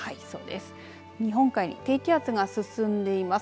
日本海に低気圧が進んでいます。